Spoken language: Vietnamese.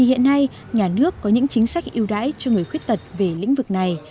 hiện nay nhà nước có những chính sách ưu đãi cho người khuyết tật về lĩnh vực này